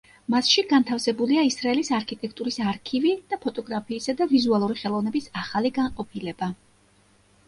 მასში განთავსებულია ისრაელის არქიტექტურის არქივი და ფოტოგრაფიისა და ვიზუალური ხელოვნების ახალი განყოფილება.